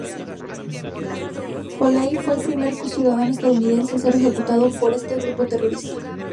Foley fue el primer ciudadano estadounidense en ser ejecutado por este grupo terrorista.